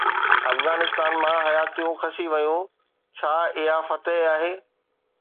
افغانستان مان حياتيون کسي ويون، ڇا اها فتح آهي؟